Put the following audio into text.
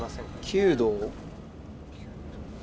弓道！